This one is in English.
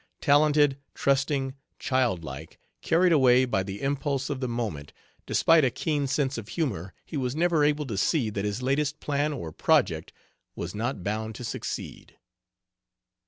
Talented, trusting, child like, carried away by the impulse of the moment, despite a keen sense of humor he was never able to see that his latest plan or project was not bound to succeed.